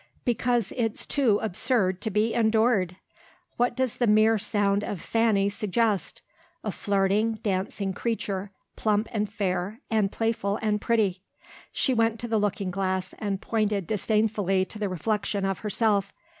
"Because it's too absurd to be endured! What does the mere sound of Fanny suggest? A flirting, dancing creature plump and fair, and playful and pretty!" She went to the looking glass, and pointed disdainfully to the reflection of herself.